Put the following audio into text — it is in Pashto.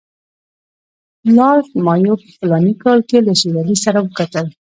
لارډ مایو په فلاني کال کې له شېر علي سره وکتل.